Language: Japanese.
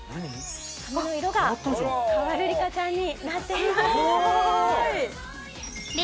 髪の色が変わるリカちゃんになっています。